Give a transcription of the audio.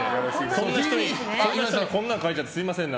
そんな人にこんなの書いちゃってすみません。